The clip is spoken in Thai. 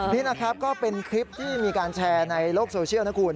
นี่นะครับก็เป็นคลิปที่มีการแชร์ในโลกโซเชียลนะคุณ